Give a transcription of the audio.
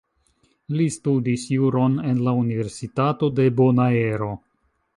Li studis Juron en la Universitato de Bonaero.